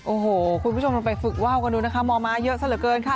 โอ้โหคุณผู้ชมลองไปฝึกว่าวกันดูนะคะม้าเยอะซะเหลือเกินค่ะ